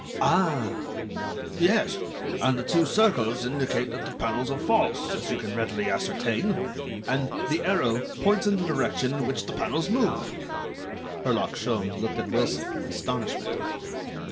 "Ah!" "Yes. And the two circles indicate that the panels are false, as you can readily ascertain, and the arrow points in the direction in which the panels move." Herlock Sholmes looked at Wilson, in astonishment.